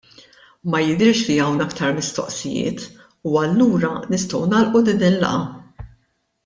Ma jidhirx li hawn aktar mistoqsijiet u allura nistgħu nagħlqu din il-laqgħa.